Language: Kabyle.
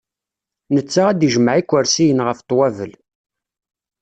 Netta ad ijmeɛ ikersiyen, ɣef ṭwabel.